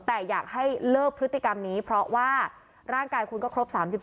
แต่อยากให้เลิกพฤติกรรมนี้เพราะว่าร่างกายคุณก็ครบ๓๒